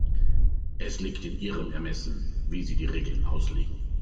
Es liegt in Ihrem Ermessen, wie Sie die Regeln auslegen.